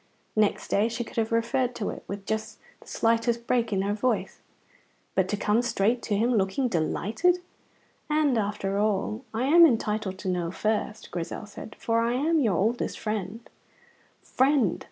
Next day she could have referred to it, with just the slightest break in her voice. But to come straight to him, looking delighted "And, after all, I am entitled to know first," Grizel said, "for I am your oldest friend." Friend!